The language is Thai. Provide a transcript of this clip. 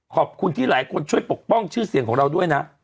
ขอบคุณที่หลายคนช่วยปกป้องชื่อเสียงของเราด้วยนะ